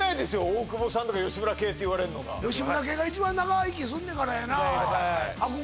大久保さんとか吉村系っていわれるのが吉村系が一番長生きすんのやからやな